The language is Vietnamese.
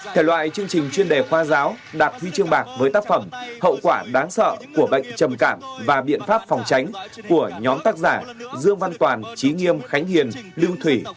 thể loại chương trình chuyên đề khoa giáo đạt huy chương bạc với tác phẩm hậu quả đáng sợ của bệnh trầm cảm và biện pháp phòng tránh của nhóm tác giả dương văn toàn trí nghiêm khánh hiền lưu thủy